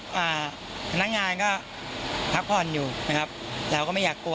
พนักงานก็พักพรอยู่นะครับแล้วก็ไม่อยากกลัว